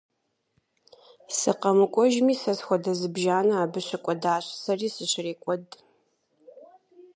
СыкъэмыкӀуэжми, сэ схуэдэ зыбжанэ абы щыкӀуэдащ, сэри сыщрекӀуэд.